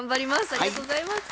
ありがとうございます。